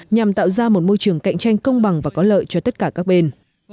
nhằm tạo ra một môi trường cạnh tranh công bằng và có lợi cho tất cả các bên